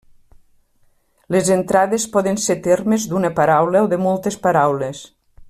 Les entrades poden ser termes d'una paraula o de moltes paraules.